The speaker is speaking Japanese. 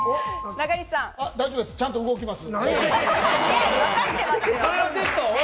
大丈夫です、ちゃんと動きます。